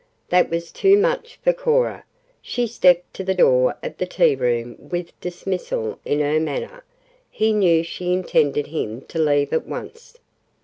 That was too much for Cora. She stepped to the door of the tea room with dismissal in her manner. He knew she intended him to leave at once.